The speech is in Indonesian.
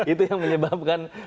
itu yang menyebabkan